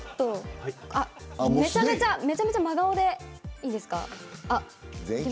めちゃめちゃ真顔でいいですか。